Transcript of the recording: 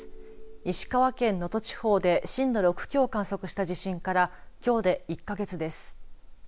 石川県能登地方で震度６強を観測した地震からきょうで１か月です。